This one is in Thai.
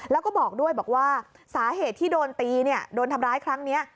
แล้วก็บอกด้วยบอกว่าสาเหตุที่โดนตีเนี่ยโดนทำร้ายครั้งนี้